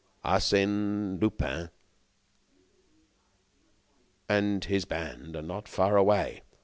"Arsène Lupin and his band are not far away.